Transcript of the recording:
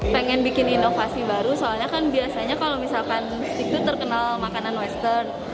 pengen bikin inovasi baru soalnya kan biasanya kalau misalkan stik itu terkenal makanan western